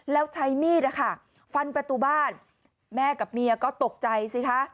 แล้วใช้มีดนะคะฟันประตูบ้านแม่กับเมียก็ตกใจสิคะ